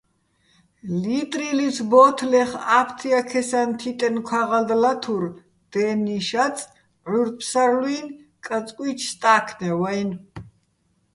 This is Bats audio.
ლიტრილიჩო̆ ბო́თლეხ ა́ფთიაქესაჼ თიტენო̆ ქაღალდ ლათურ: "დე́ნი შაწ, ჺურდ-ფსარლუჲნი̆ კაწკუჲჩი̆ სტა́ქნევ-აჲნო̆".